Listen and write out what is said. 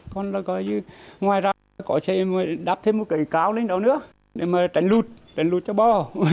còn là coi như ngoài ra có sẽ đắp thêm một cái cao lên đó nữa để mà tránh lụt tránh lụt cho bò